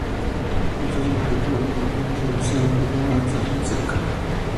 Esto simplifica enormemente la solución del problema de la transferencia de calor.